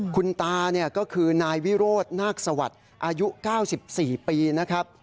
คุณตาก็คือนายวิโรธนาคสวัสดิ์อายุ๙๔ปีนะครับ